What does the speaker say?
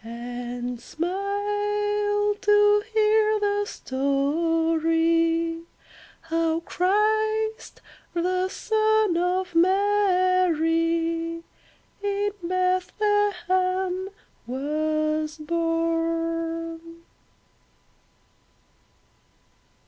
and smile to hear the story How Christ, the Son of Mary, in Bethlehem was born